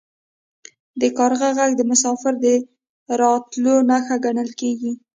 د کارغه غږ د مسافر د راتلو نښه ګڼل کیږي.